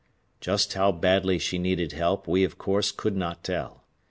Just how badly she needed help we of course could not tell.